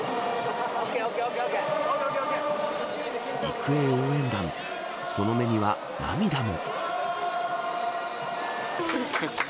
育英応援団その目には涙も。